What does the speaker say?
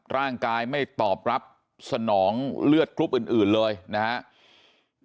ร่างกายไม่ตอบรับสนองเลือดกรุ๊ปอื่นเลยนะครับ